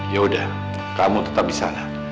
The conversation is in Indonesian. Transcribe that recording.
ya udah kamu tetap di sana